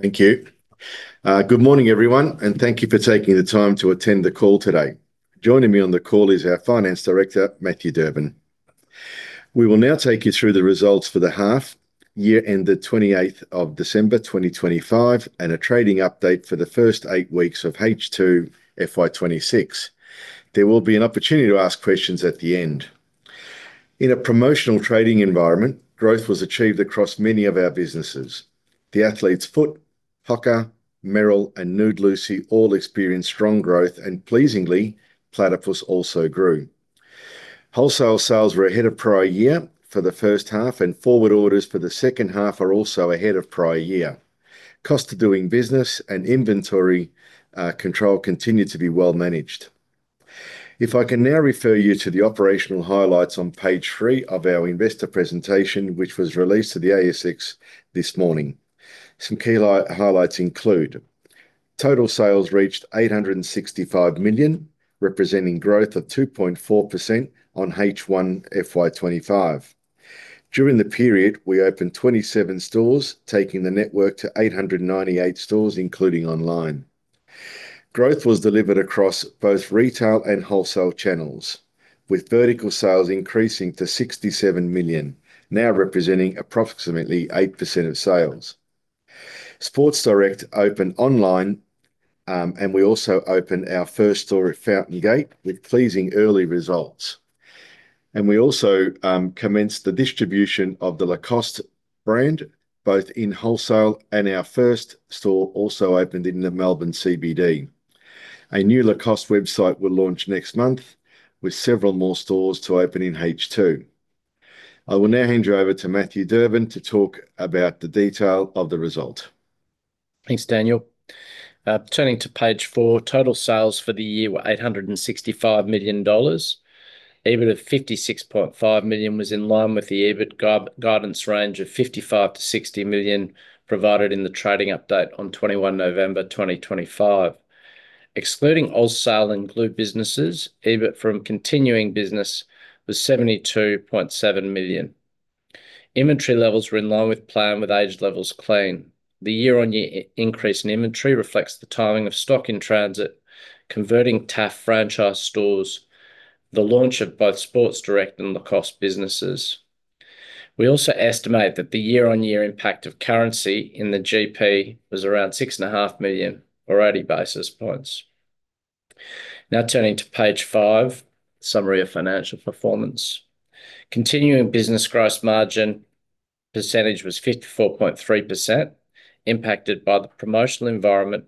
Thank you. Good morning, everyone, and thank you for taking the time to attend the call today. Joining me on the call is our Finance Director, Matthew Durbin. We will now take you through the results for the half year ended 28th of December 2025, and a trading update for the first 8 weeks of H2 FY26. There will be an opportunity to ask questions at the end. In a promotional trading environment, growth was achieved across many of our businesses. The Athlete's Foot, Hoka, Merrell, and Nude Lucy all experienced strong growth, and pleasingly, Platypus also grew. Wholesale sales were ahead of prior year for the first half, and forward orders for the second half are also ahead of prior year. Cost of doing business and inventory, control continued to be well managed. I can now refer you to the operational highlights on page 3 of our investor presentation, which was released to the ASX this morning. Some key highlights include: Total sales reached 865 million, representing growth of 2.4% on H1 FY25. During the period, we opened 27 stores, taking the network to 898 stores, including online. Growth was delivered across both retail and wholesale channels, with vertical sales increasing to 67 million, now representing approximately 8% of sales. Sports Direct opened online, we also opened our first store at Fountain Gate, with pleasing early results. We also commenced the distribution of the Lacoste brand, both in wholesale and our first store also opened in the Melbourne CBD. A new Lacoste website will launch next month, with several more stores to open in H2. I will now hand you over to Matthew Durbin to talk about the detail of the result. Thanks, Daniel. Turning to page four, total sales for the year were 865 million dollars. EBIT of 56.5 million was in line with the EBIT guidance range of 55 million-60 million, provided in the trading update on 21 November 2025. Excluding Ozsale and Glue businesses, EBIT from continuing business was 72.7 million. Inventory levels were in line with plan, with age levels clean. The year-on-year increase in inventory reflects the timing of stock in transit, converting TAF franchise stores, the launch of both Sports Direct and Lacoste businesses. We also estimate that the year-on-year impact of currency in the GP was around six and a half million, or 80 basis points. Turning to page 5, summary of financial performance. Continuing business gross margin percentage was 54.3%, impacted by the promotional environment,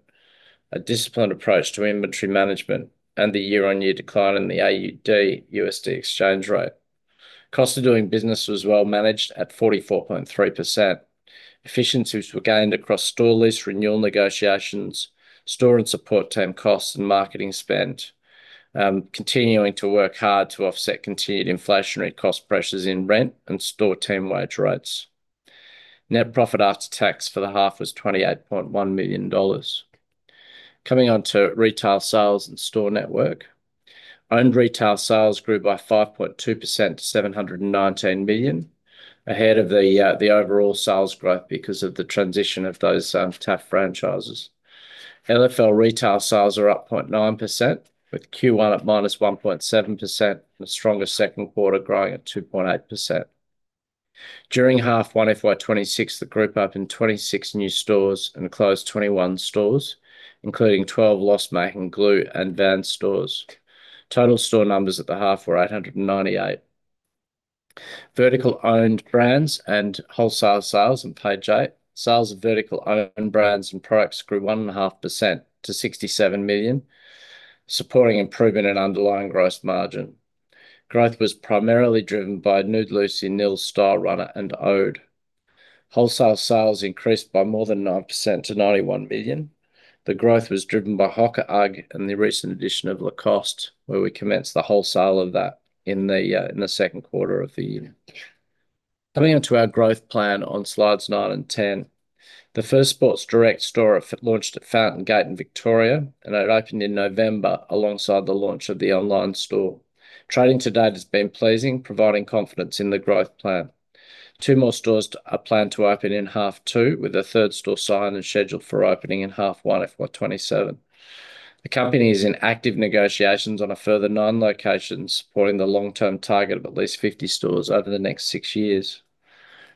a disciplined approach to inventory management, and the year-on-year decline in the AUD-USD exchange rate. Cost of doing business was well managed at 44.3%. Efficiencies were gained across store lease renewal negotiations, store and support team costs, and marketing spend. Continuing to work hard to offset continued inflationary cost pressures in rent and store team wage rates. Net profit after tax for the half was 28.1 million dollars. Coming on to retail sales and store network. Owned retail sales grew by 5.2% to 719 million, ahead of the overall sales growth because of the transition of those TAF franchises. LFL retail sales are up 0.9%, with Q1 at -1.7%, and a stronger second quarter growing at 2.8%. During H1 FY26, the group opened 26 new stores and closed 21 stores, including 12 loss-making Glue and Vans stores. Total store numbers at the half were 898. Vertical owned brands and wholesale sales on page 8. Sales of vertical owned brands and products grew 1.5% to 67 million, supporting improvement in underlying gross margin. Growth was primarily driven by Nude Lucy, Nils Stylerunner, and Ode. Wholesale sales increased by more than 9% to 91 million. The growth was driven by Hoka, UGG, and the recent addition of Lacoste, where we commenced the wholesale of that in the second quarter of the year. Coming on to our growth plan on slides nine and 10. The first Sports Direct store launched at Fountain Gate in Victoria. It opened in November alongside the launch of the online store. Trading to date has been pleasing, providing confidence in the growth plan. Two more stores are planned to open in half two, with a third store signed and scheduled for opening in half one, FY27. The company is in active negotiations on a further nine locations, supporting the long-term target of at least 50 stores over the next six years.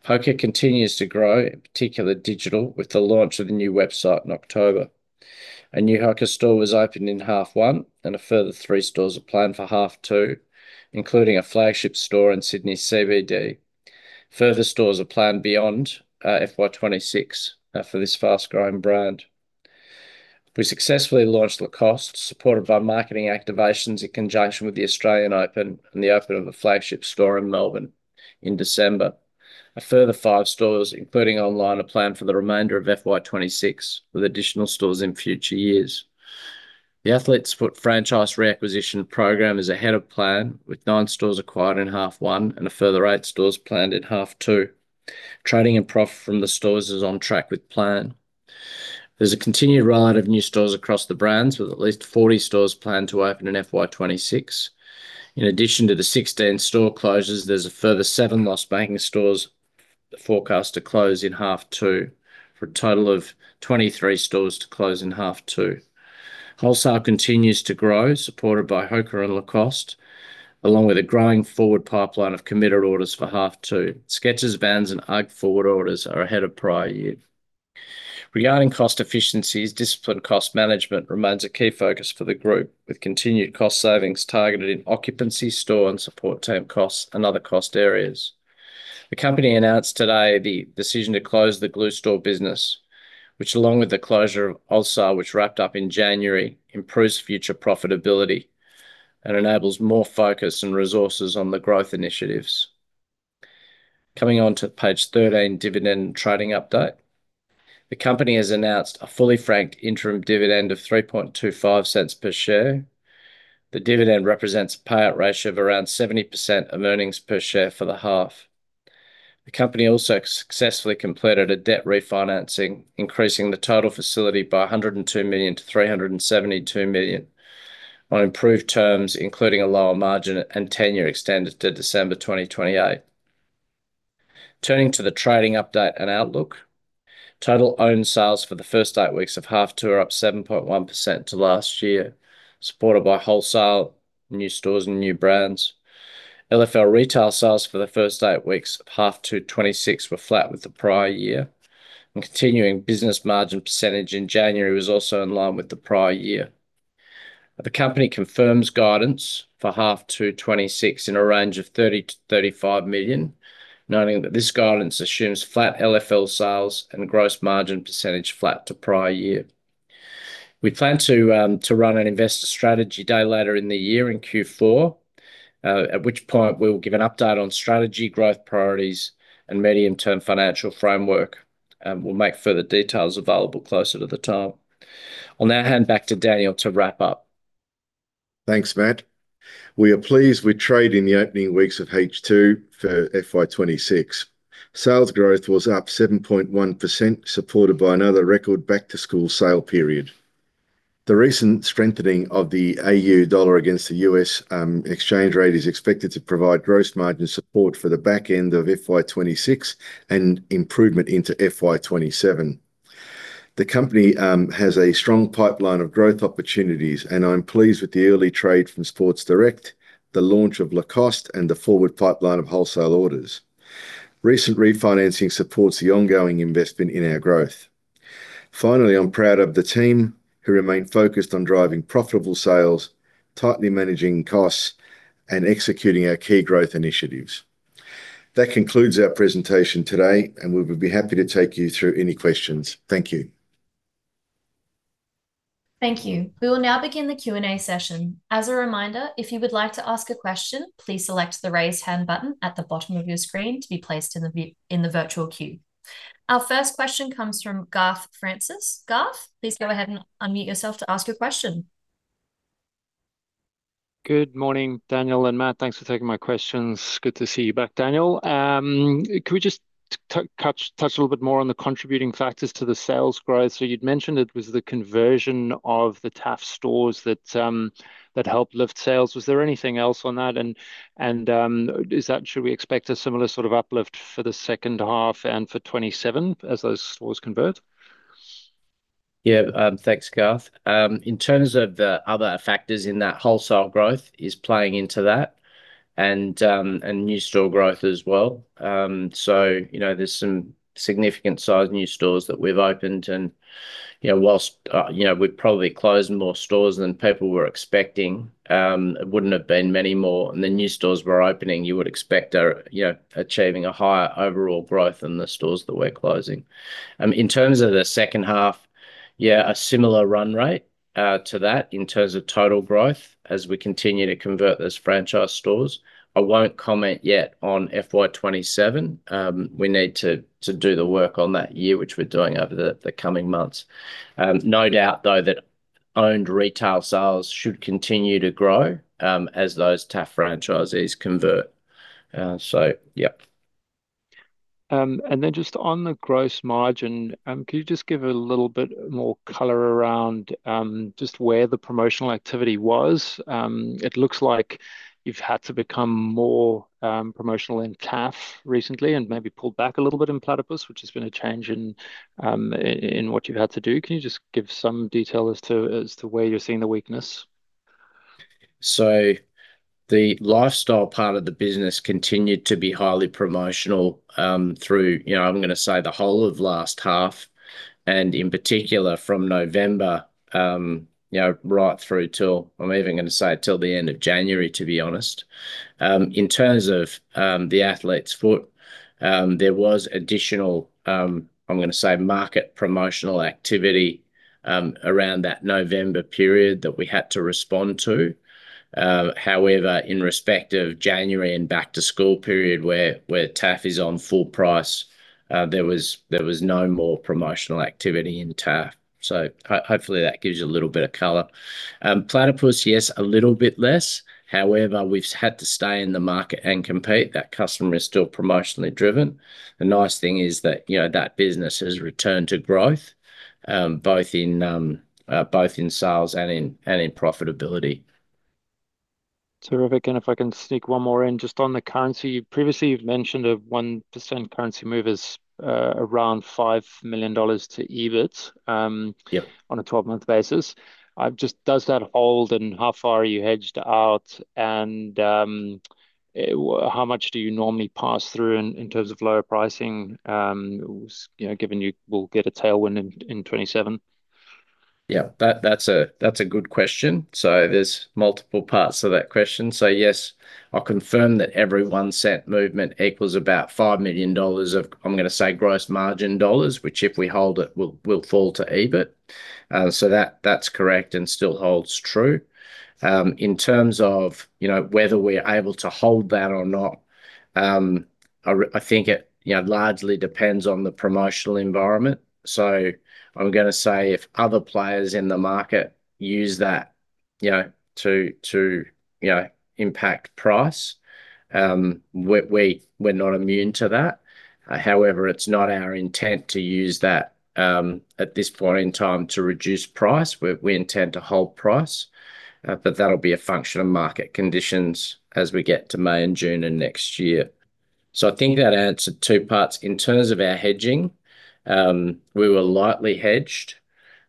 Hoka continues to grow, in particular digital, with the launch of the new website in October. A new Hoka store was opened in half one, and a further three stores are planned for half two, including a flagship store in Sydney CBD. Further stores are planned beyond FY26 for this fast-growing brand. We successfully launched Lacoste, supported by marketing activations in conjunction with the Australian Open and the opening of a flagship store in Melbourne in December. A further five stores, including online, are planned for the remainder of FY26, with additional stores in future years. The Athlete's Foot franchise reacquisition program is ahead of plan, with nine stores acquired in half one and a further eight stores planned in half two. Trading and profit from the stores is on track with plan. There's a continued ride of new stores across the brands, with at least 40 stores planned to open in FY26. In addition to the 16 store closures, there's a further seven loss banking stores forecast to close in half two, for a total of 23 stores to close in half two. Wholesale continues to grow, supported by Hoka and Lacoste, along with a growing forward pipeline of committed orders for half two. Skechers, Vans, and UGG forward orders are ahead of prior year. Regarding cost efficiencies, disciplined cost management remains a key focus for the group, with continued cost savings targeted in occupancy, store, and support team costs and other cost areas. The company announced today the decision to close the Glue Store business, which, along with the closure of Ozsale, which wrapped up in January, improves future profitability and enables more focus and resources on the growth initiatives. Coming on to page 13, dividend trading update. The company has announced a fully franked interim dividend of 0.0325 per share. The dividend represents a payout ratio of around 70% of earnings per share for the half. The company also successfully completed a debt refinancing, increasing the total facility by 102 million to 372 million on improved terms, including a lower margin and tenure extended to December 2028. Turning to the trading update and outlook, total owned sales for the first eight weeks of H2 are up 7.1% to last year, supported by wholesale, new stores, and new brands. LFL retail sales for the first eight weeks of H2 FY26 were flat with the prior year. Continuing business margin % in January was also in line with the prior year. The company confirms guidance for H2 FY26 in a range of 30 million-35 million, noting that this guidance assumes flat LFL sales and gross margin % flat to prior year. We plan to run an investor strategy day later in the year, in Q4, at which point we will give an update on strategy, growth priorities, and medium-term financial framework. We'll make further details available closer to the time. I'll now hand back to Daniel to wrap up. Thanks, Matt. We are pleased with trade in the opening weeks of H2 for FY26. Sales growth was up 7.1%, supported by another record back-to-school sale period. The recent strengthening of the Australian dollar against the US exchange rate is expected to provide gross margin support for the back end of FY26 and improvement into FY27. The company has a strong pipeline of growth opportunities, and I'm pleased with the early trade from Sports Direct, the launch of Lacoste, and the forward pipeline of wholesale orders. Recent refinancing supports the ongoing investment in our growth. Finally, I'm proud of the team, who remain focused on driving profitable sales, tightly managing costs, and executing our key growth initiatives. That concludes our presentation today, and we would be happy to take you through any questions. Thank you. Thank you. We will now begin the Q&A session. As a reminder, if you would like to ask a question, please select the Raise Hand button at the bottom of your screen to be placed in the virtual queue. Our first question comes from Garth Francis. Garth, please go ahead and unmute yourself to ask your question. Good morning, Daniel and Matt. Thanks for taking my questions. Good to see you back, Daniel. Could we just touch a little bit more on the contributing factors to the sales growth? You'd mentioned it was the conversion of the TAFE stores that helped lift sales. Was there anything else on that? Should we expect a similar sort of uplift for the second half and for 2027 as those stores convert? Thanks, Garth. In terms of the other factors in that wholesale growth is playing into that and new store growth as well. You know, there's some significant size new stores that we've opened and, you know, whilst, you know, we've probably closed more stores than people were expecting, it wouldn't have been many more, and the new stores we're opening, you would expect are, you know, achieving a higher overall growth than the stores that we're closing. In terms of the second half, a similar run rate to that in terms of total growth as we continue to convert those franchise stores. I won't comment yet on FY27. We need to do the work on that year, which we're doing over the coming months. No doubt, though, that owned retail sales should continue to grow, as those TAF franchisees convert. Yeah. Just on the gross margin, could you just give a little bit more color around just where the promotional activity was? It looks like you've had to become more promotional in TAF recently and maybe pulled back a little bit in Platypus, which has been a change in what you've had to do. Can you just give some detail as to where you're seeing the weakness? The lifestyle part of the business continued to be highly promotional, you know, I'm gonna say the whole of last half, and in particular from November, you know, right through till, I'm even gonna say till the end of January, to be honest. In terms of The Athlete's Foot, there was additional, I'm gonna say, market promotional activity around that November period that we had to respond to. However, in respect of January and back-to-school period, where TAF is on full price, there was no more promotional activity in TAF. Hopefully, that gives you a little bit of color. Platypus, yes, a little bit less. However, we've had to stay in the market and compete. That customer is still promotionally driven. The nice thing is that, you know, that business has returned to growth, both in sales and in profitability. Terrific, if I can sneak one more in. Just on the currency, previously you've mentioned a 1% currency move is around 5 million dollars to EBIT. Yep on a 12-month basis. Just does that hold, and how far are you hedged out, and how much do you normally pass through in terms of lower pricing, you know, given you will get a tailwind in 2027? That's a good question. There's multiple parts to that question. Yes, I'll confirm that every 1 cent movement equals about 5 million dollars of, I'm gonna say, gross margin dollars, which if we hold it, will fall to EBIT. That's correct and still holds true. In terms of, you know, whether we're able to hold that or not, I think it, you know, largely depends on the promotional environment. I'm gonna say if other players in the market use that, you know, to, you know, impact price, we're not immune to that. However, it's not our intent to use that at this point in time to reduce price. We intend to hold price, but that'll be a function of market conditions as we get to May and June of next year. I think that answered two parts. In terms of our hedging, we were lightly hedged.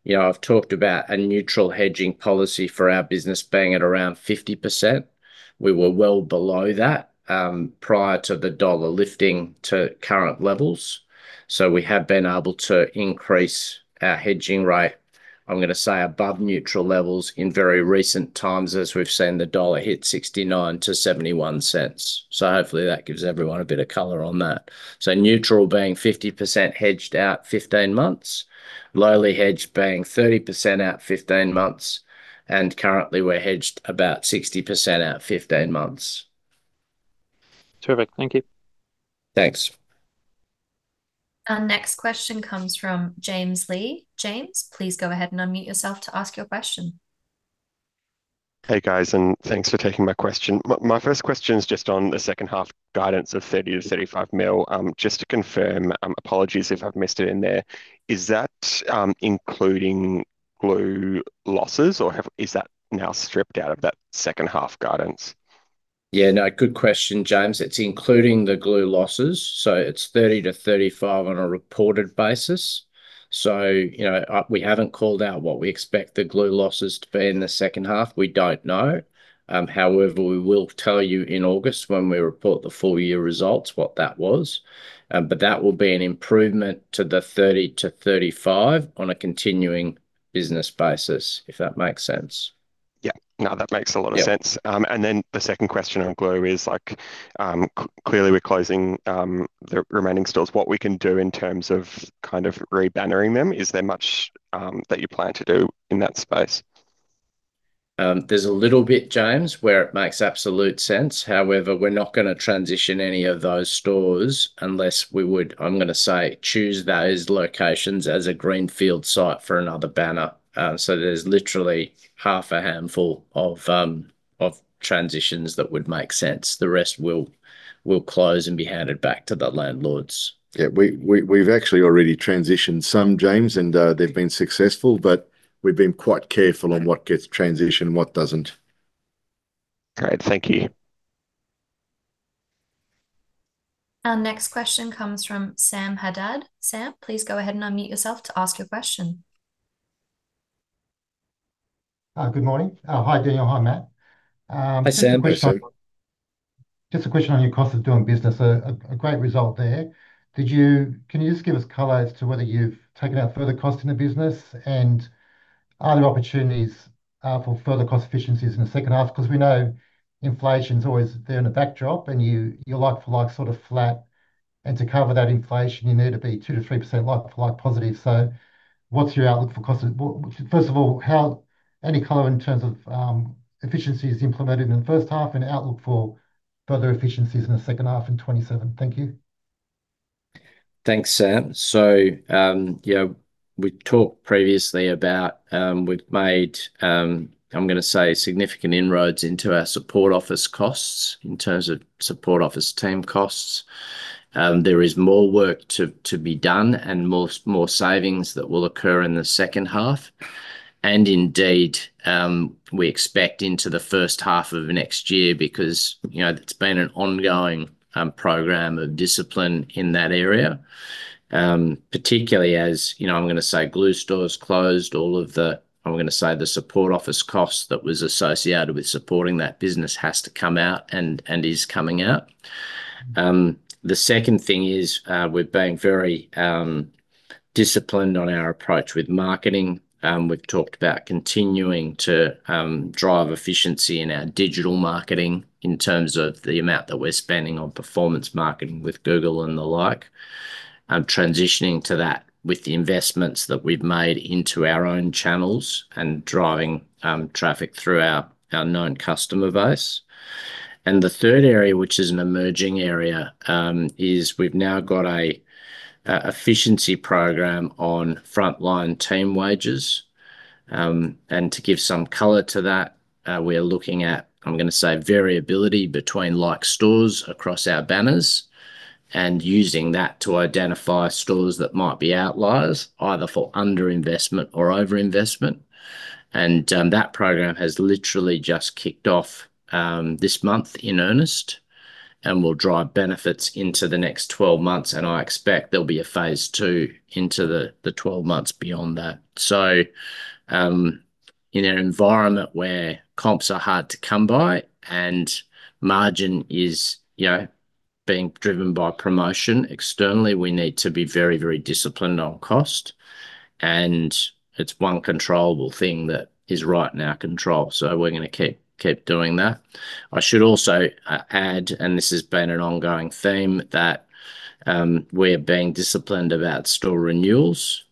You know, I've talked about a neutral hedging policy for our business being at around 50%. We were well below that, prior to the dollar lifting to current levels, so we have been able to increase our hedging rate, I'm gonna say, above neutral levels in very recent times, as we've seen the dollar hit 0.69-0.71. Hopefully that gives everyone a bit of color on that. Neutral being 50% hedged out 15 months, lowly hedged being 30% out 15 months, and currently we're hedged about 60% out 15 months. Terrific. Thank you. Thanks. Our next question comes from James Lee. James, please go ahead and unmute yourself to ask your question. Hey, guys, and thanks for taking my question. My first question is just on the second half guidance of 30 million-35 million. Just to confirm, apologies if I've missed it in there, is that including Glue losses, or is that now stripped out of that second half guidance? Yeah, no, good question, James. It's including the Glue losses, it's 30-35 on a reported basis. You know, we haven't called out what we expect the Glue losses to be in the second half. We don't know. However, we will tell you in August when we report the full year results, what that was, that will be an improvement to the 30-35 on a continuing business basis, if that makes sense. Yeah. No, that makes a lot of sense. Yeah. The second question on Glue is, clearly we're closing the remaining stores. What we can do in terms of re-bannering them, is there much that you plan to do in that space? There's a little bit, James, where it makes absolute sense. We're not gonna transition any of those stores unless we would, I'm gonna say, choose those locations as a greenfield site for another banner. There's literally half a handful of transitions that would make sense. The rest will close and be handed back to the landlords. Yeah, we've actually already transitioned some, James, and they've been successful. We've been quite careful on what gets transitioned and what doesn't. Great. Thank you. Our next question comes from Sam Haddad. Sam, please go ahead and unmute yourself to ask your question. Good morning. Hi, Daniel. Hi, Matt. Hi, Sam. ust a question on your cost of doing business. A great result there. Can you just give us color as to whether you've taken out further cost in the business, and are there opportunities for further cost efficiencies in the second half? 'Cause we know inflation's always there in the backdrop, and you're like for like sort of flat, and to cover that inflation, you need to be 2%-3% like for like positive. What's your outlook for cost of. First of all, how, any color in terms of efficiencies implemented in the first half and outlook for further efficiencies in the second half in 2027? Thank you. Thanks, Sam. Yeah, we talked previously about, we've made, I'm gonna say, significant inroads into our support office costs in terms of support office team costs. There is more work to be done and more savings that will occur in the second half, and indeed, we expect into the first half of next year because, you know, it's been an ongoing program of discipline in that area. Particularly as, you know, I'm gonna say, Glue Store closed, all of the, I'm gonna say, the support office costs that was associated with supporting that business has to come out and is coming out. The second thing is, we're being very disciplined on our approach with marketing. We've talked about continuing to drive efficiency in our digital marketing in terms of the amount that we're spending on performance marketing with Google and the like, and transitioning to that with the investments that we've made into our own channels and driving traffic through our known customer base. The third area, which is an emerging area, is we've now got a efficiency program on frontline team wages. To give some color to that, we are looking at, I'm gonna say, variability between like stores across our banners and using that to identify stores that might be outliers, either for underinvestment or overinvestment. That program has literally just kicked off this month in earnest, and will drive benefits into the next 12 months. I expect there'll be a phase two into the 12 months beyond that. In an environment where comps are hard to come by and margin is, you know, being driven by promotion externally, we need to be very, very disciplined on cost, and it's one controllable thing that is right in our control, so we're going to keep doing that. I should also add, and this has been an ongoing theme, that we're being disciplined about store renewals.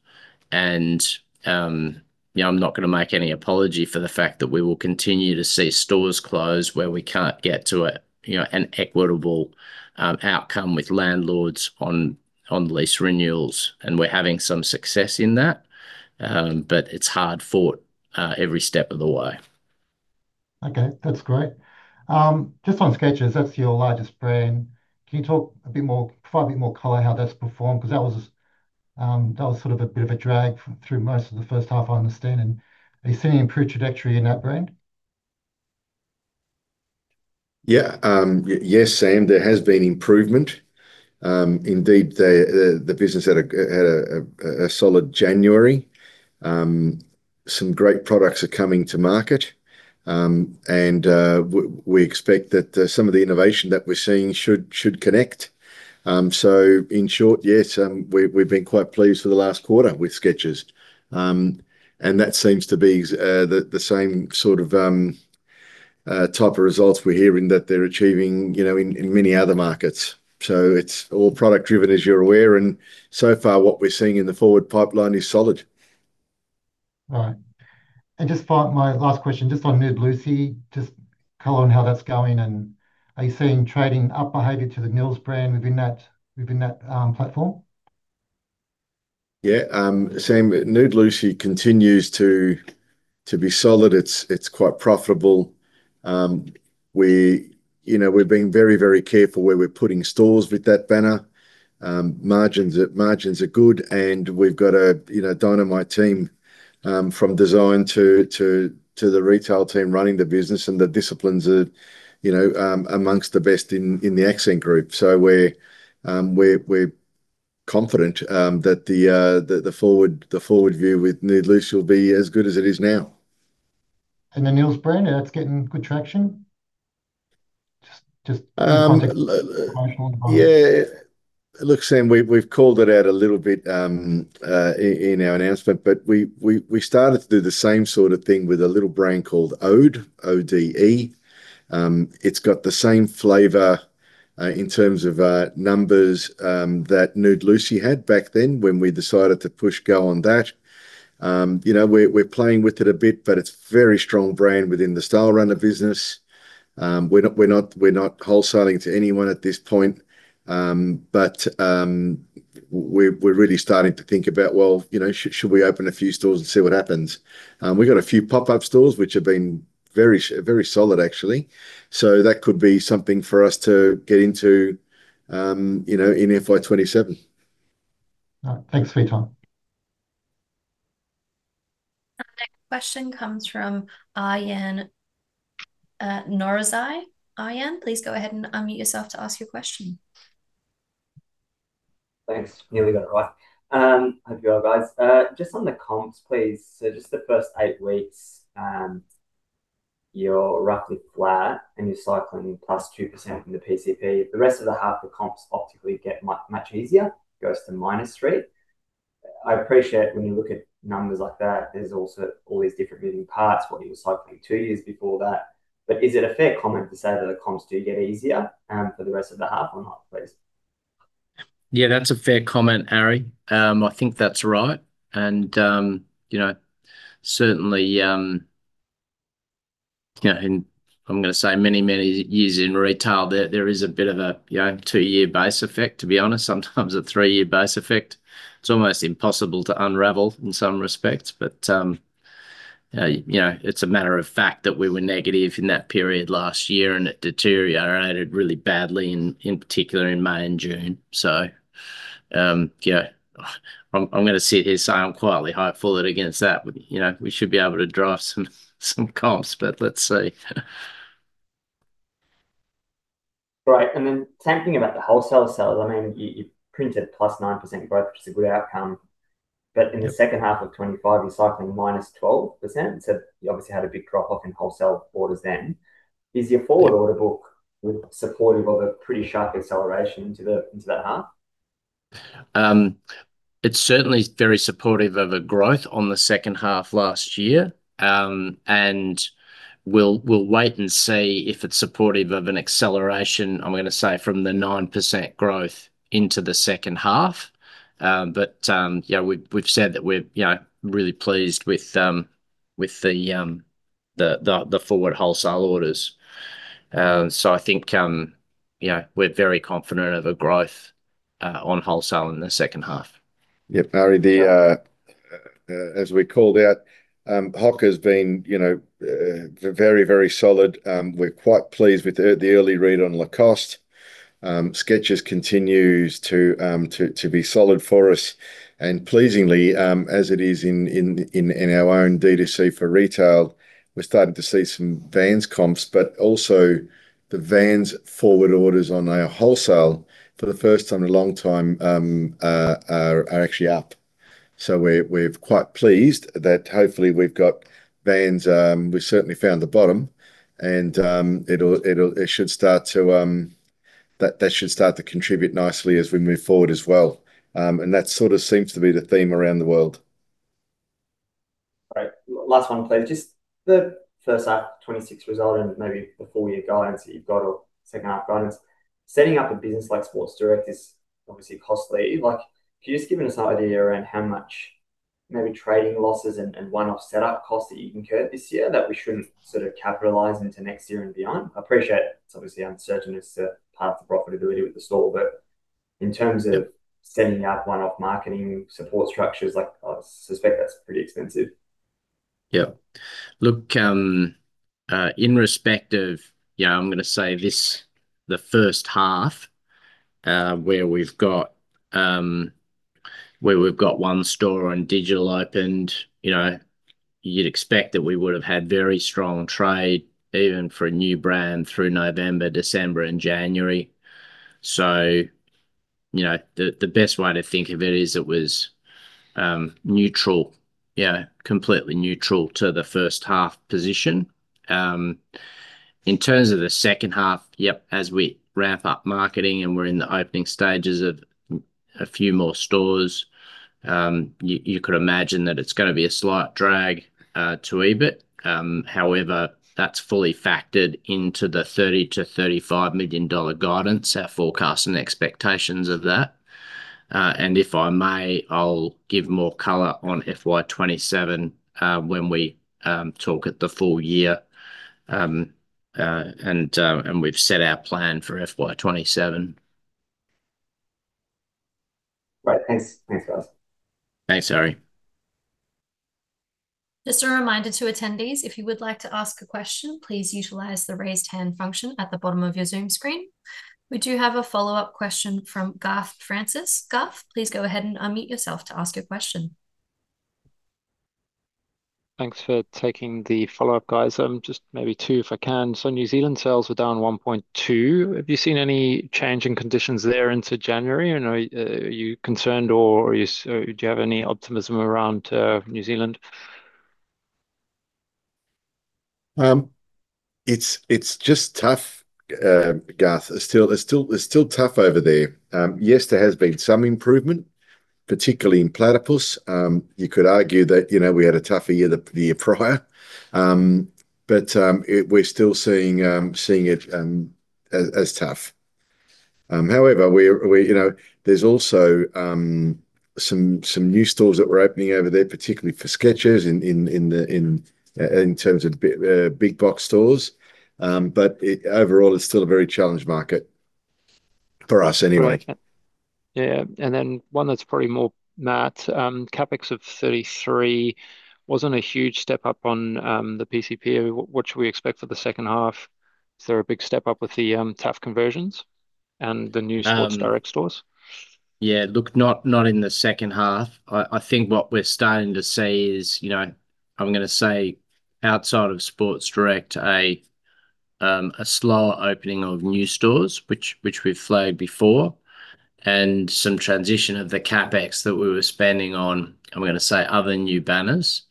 You know, I'm not going to make any apology for the fact that we will continue to see stores close where we can't get to a, you know, an equitable outcome with landlords on lease renewals, and we're having some success in that. It's hard-fought, every step of the way. Okay, that's great. Just on Skechers, that's your largest brand. Can you provide a bit more color how that's performed? 'Cause that was sort of a bit of a drag through most of the first half, I understand. Are you seeing improved trajectory in that brand? Yeah. Yes, Sam, there has been improvement. Indeed, the business had a solid January. Some great products are coming to market. We expect that, some of the innovation that we're seeing should connect. In short, yes, we've been quite pleased for the last quarter with Skechers. That seems to be the same sort of type of results we're hearing that they're achieving, you know, in many other markets. It's all product-driven, as you're aware, and so far what we're seeing in the forward pipeline is solid. Right. Just for my last question, just on Nude Lucy, just color on how that's going, and are you seeing trading up behavior to the Nils brand within that, within that platform? Yeah. Sam, Nude Lucy continues to be solid. It's quite profitable. We, you know, we're being very, very careful where we're putting stores with that banner. Margins are good, and we've got a, you know, dynamite team from design to the retail team running the business, and the disciplines are, you know, amongst the best in the Accent Group. We're confident that the forward view with Nude Lucy will be as good as it is now. the Nilos brand, that's getting good traction? Um, Promotional device. Yeah. Look, Sam, we've called it out a little bit in our announcement, but we started to do the same sort of thing with a little brand called Ode, ODE. It's got the same flavor in terms of numbers that Nude Lucy had back then when we decided to push go on that. You know, we're playing with it a bit, but it's a very strong brand within the Stylerunner business. We're not wholesaling to anyone at this point. We're really starting to think about well you know, should we open a few stores and see what happens? We've got a few pop-up stores which have been very solid actually, so that could be something for us to get into, you know in FY27. All right. Thanks for your time. Our next question comes from Arian Norozi. Arian, please go ahead and unmute yourself to ask your question. Thanks. Nearly got it right. How you doing, guys? Just on the comps, please. Just the first eight weeks, you're roughly flat and you're cycling +2% from the PCP. The rest of the half, the comps optically get much easier, goes to -3%. I appreciate when you look at numbers like that, there's also all these different moving parts, what you were cycling two years before that. Is it a fair comment to say that the comps do get easier for the rest of the half or not, please? That's a fair comment, Ari. I think that's right, you know, certainly, you know, I'm going to say many, many years in retail, there is a bit of a you know, two-year base effect, to be honest, sometimes a three-year base effect. It's almost impossible to unravel in some respects, you know, it's a matter of fact that we were negative in that period last year and it deteriorated really badly in particular in May and June. So, I'm going to sit here and say I'm quietly hopeful that against that, you know, we should be able to drive some comps but let's see. Right. Then same thing about the wholesale sales. I mean, you printed plus 9% growth, which is a good outcome. Yep. In the second half of 2025, you're cycling minus 12%, you obviously had a big drop-off in wholesale orders then. Is your forward order book supportive of a pretty sharp acceleration into that half? It's certainly very supportive of a growth on the second half last year. We'll wait and see if it's supportive of an acceleration, I'm going to say, from the 9% growth into the second half. You know, we've said that we're, you know, really pleased with the forward wholesale orders. I think, you know, we're very confident of a growth on wholesale in the second half. Yep, Ari, the as we called out, HOKA has been, you know, very, very solid. We're quite pleased with the early read on Lacoste. Skechers continues to be solid for us. Pleasingly, as it is in our own D2C for retail, we're starting to see some Vans comps, but also the Vans forward orders on our wholesale for the first time in a long time, are actually up. We're quite pleased that hopefully we've got Vans. We've certainly found the bottom, and it should start to contribute nicely as we move forward as well. That sort of seems to be the theme around the world. Last one, please. Just the first half 2026 result and maybe the full year guidance that you've got, or second half 2026 guidance. Setting up a business like Sports Direct is obviously costly. Like, can you just give us an idea around how much maybe trading losses and one-off setup costs that you incurred this year that we shouldn't sort of capitalize into next year and beyond? I appreciate there's obviously uncertainty as to path to profitability with the store, in terms of setting up one-off marketing support structures, like, I suspect that's pretty expensive. Yeah. Look, in respect of, you know, I'm going to say this, the first half, where we've got, where we've got one store and digital opened, you know, you'd expect that we would have had very strong trade, even for a new brand, through November, December, and January. You know, the best way to think of it is it was neutral, you know, completely neutral to the first half position. In terms of the second half, yep, as we wrap up marketing and we're in the opening stages of a few more stores, you could imagine that it's going to be a slight drag to EBIT, however, that's fully factored into the 30 million-35 million dollar guidance, our forecast and expectations of that. If I may, I'll give more color on FY 2027 when we talk at the full year. We've set our plan for FY 2027. Right. Thanks. Thanks, guys. Thanks, Ari. Just a reminder to attendees, if you would like to ask a question, please utilize the Raise Hand function at the bottom of your Zoom screen. We do have a follow-up question from Garth Francis. Garth, please go ahead and unmute yourself to ask your question. Thanks for taking the follow-up, guys. Just maybe two if I can. New Zealand sales were down 1.2%. Have you seen any change in conditions there into January, and are you concerned or do you have any optimism around New Zealand? It's just tough, Garth. It's still tough over there. Yes, there has been some improvement, particularly in Platypus. You could argue that, you know, we had a tougher year the year prior. We're still seeing it as tough. However, we're you know, there's also some new stores that we're opening over there, particularly for Skechers in the, in terms of big box stores. Overall, it's still a very challenged market, for us anyway. Yeah. Then one that's probably more Matt, CapEx of 33 wasn't a huge step-up on the PCP. What should we expect for the second half? Is there a big step-up with the TAF conversions and the new- Um- Sports Direct stores? Yeah, look, not in the second half. I think what we're starting to see is, you know, I'm going to say outside of Sports Direct, a slower opening of new stores, we've flagged before, and some transition of the CapEx that we were spending on, I'm going to say, other new banners,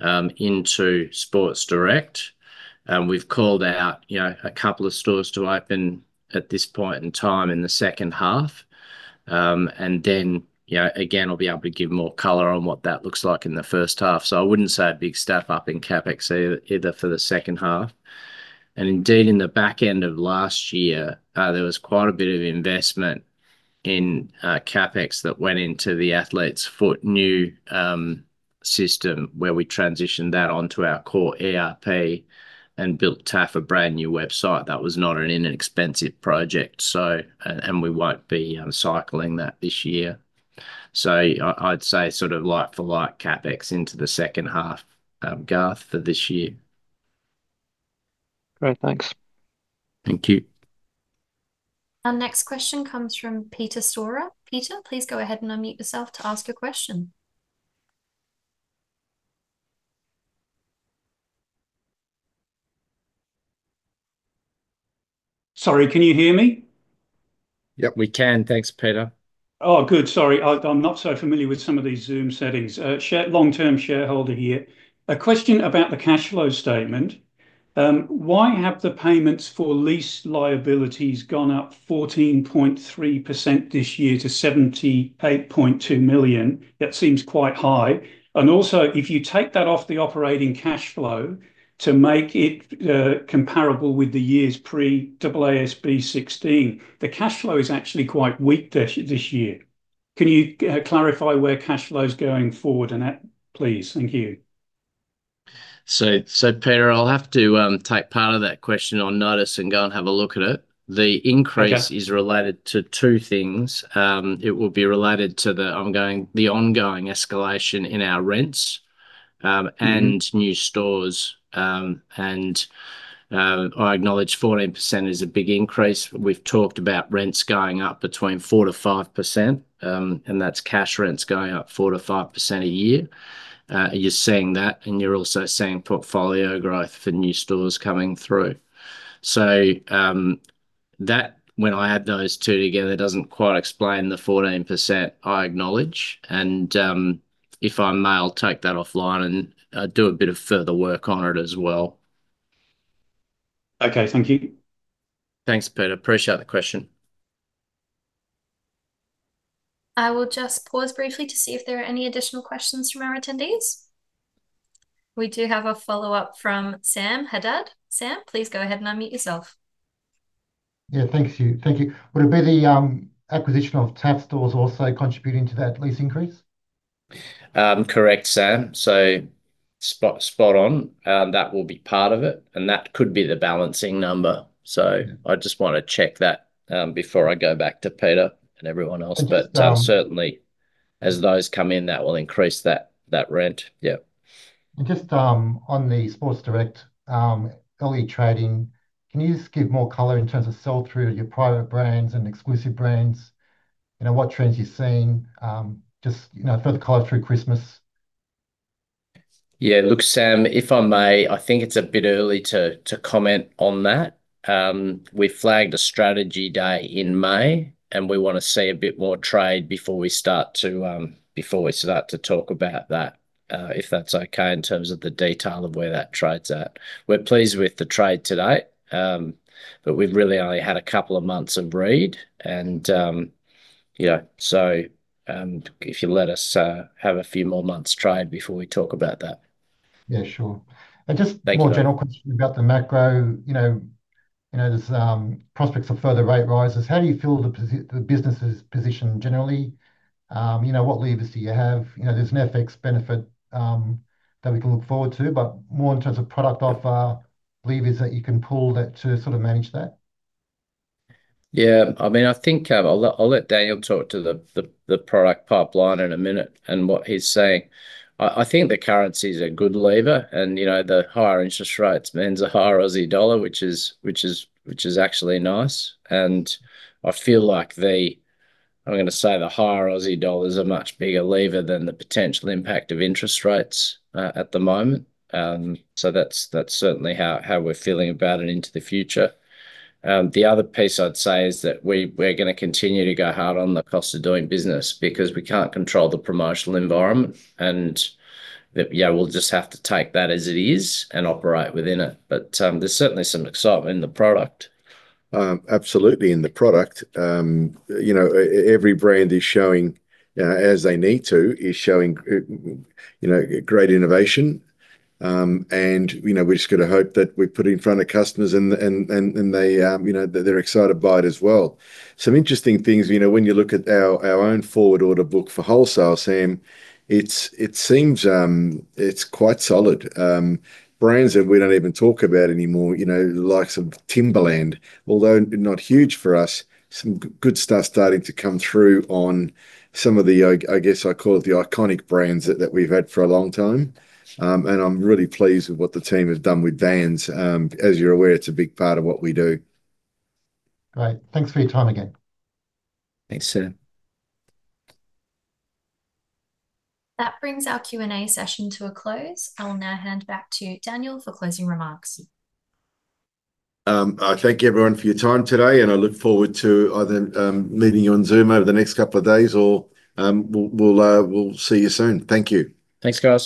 into Sports Direct. We've called out, you know, a couple of stores to open at this point in time in the second half. And then, you know, again, I'll be able to give more color on what that looks like in the first half. I wouldn't say a big step-up in CapEx either for the second half. Indeed, in the back end of last year, there was quite a bit of investment in CapEx that went into The Athlete's Foot new system, where we transitioned that onto our core ERP and built TAF a brand-new website. That was not an inexpensive project. We won't be cycling that this year. I'd say sort of like-for-like CapEx into the second half, Garth, for this year. Great. Thanks. Thank you. Our next question comes from Peter Storer. Peter, please go ahead and unmute yourself to ask a question. Sorry, can you hear me? Yep, we can. Thanks, Peter. Good. Sorry, I'm not so familiar with some of these Zoom settings. long-term shareholder here. A question about the cash flow statement. Why have the payments for lease liabilities gone up 14.3% this year to 78.2 million? That seems quite high. Also, if you take that off the operating cash flow to make it comparable with the years pre-AASB 16, the cash flow is actually quite weak this year. Can you clarify where cash flow's going forward in that, please? Thank you. Peter, I'll have to, take part of that question on notice and go and have a look at it. Okay is related to two things. It will be related to the ongoing escalation in our rents. Mm-hmm new stores. I acknowledge 14% is a big increase. We've talked about rents going up between 4%-5%. That's cash rents going up 4%-5% a year. You're seeing that, you're also seeing portfolio growth for new stores coming through. That, when I add those two together, doesn't quite explain the 14%, I acknowledge. If I may, I'll take that offline and do a bit of further work on it as well. Okay. Thank you. Thanks, Peter. Appreciate the question. I will just pause briefly to see if there are any additional questions from our attendees. We do have a follow-up from Sam Haddad. Sam, please go ahead and unmute yourself. Yeah, thank you. Thank you. Would it be the acquisition of TAF stores also contributing to that lease increase? Correct, Sam, spot on. That will be part of it, and that could be the balancing number. I just want to check that, before I go back to Peter and everyone else. Just, Certainly, as those come in, that will increase that rent. Yeah. Just on the Sports Direct early trading, can you just give more color in terms of sell-through of your private brands and exclusive brands? You know, what trends you're seeing, just, you know, further color through Christmas. Yeah, look, Sam, if I may, I think it's a bit early to comment on that. We've flagged a strategy day in May, and we want to see a bit more trade before we start to talk about that, if that's okay, in terms of the detail of where that trade's at. We're pleased with the trade today, but we've really only had a couple of months of read and, you know, so, if you let us have a few more months trade before we talk about that. Yeah, sure. Thank you. Just more general question about the macro, you know, there's prospects of further rate rises. How do you feel the business' position generally? You know, what levers do you have? You know, there's an FX benefit, that we can look forward to, but more in terms of product offer, levers that you can pull that to sort of manage that. Yeah, I mean, I think I'll let Daniel talk to the product pipeline in a minute and what he's seeing. I think the currency's a good lever, you know, the higher interest rates means a higher Aussie dollar, which is actually nice. I feel like I'm going to say the higher Aussie dollar is a much bigger lever than the potential impact of interest rates at the moment. That's certainly how we're feeling about it into the future. The other piece I'd say is that we're going to continue to go hard on the cost of doing business because we can't control the promotional environment, yeah, we'll just have to take that as it is and operate within it. There's certainly some excitement in the product. Absolutely, in the product. You know, every brand is showing, as they need to, is showing, you know, great innovation. You know, we're just going to hope that we put it in front of customers and they, you know, they're excited by it as well. Some interesting things, you know, when you look at our own forward order book for wholesale, Sam, it's, it seems, it's quite solid. Brands that we don't even talk about anymore, you know, the likes of Timberland, although not huge for us, some good stuff starting to come through on some of the I guess I call it the iconic brands that we've had for a long time. I'm really pleased with what the team has done with Vans. As you're aware, it's a big part of what we do. Great. Thanks for your time again. Thanks, Sam. That brings our Q&A session to a close. I will now hand back to Daniel for closing remarks. I thank everyone for your time today, and I look forward to either meeting you on Zoom over the next couple of days or we'll see you soon. Thank you. Thanks, guys.